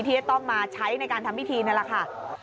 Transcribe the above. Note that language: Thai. ที่จะต้องมาใช้ในการทำพิธีนั่นแหละค่ะ